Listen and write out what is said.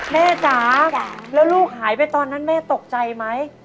จ๋าแล้วลูกหายไปตอนนั้นแม่ตกใจไหม